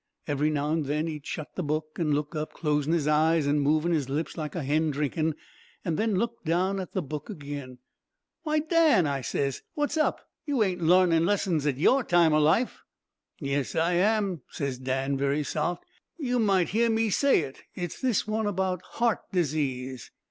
Every now and then he'd shut the book, an' look up, closing 'is eyes, an' moving his lips like a hen drinking, an' then look down at the book again. "Why, Dan,' I ses, 'what's up? you ain't larning lessons at your time o' life?" "'Yes, I am,' ses Dan very soft. 'You might hear me say it, it's this one about heart disease.'